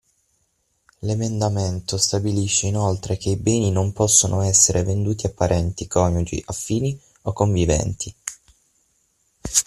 L'emendamento stabilisce inoltre che i beni non possono essere venduti a parenti, coniugi, affini o conviventi.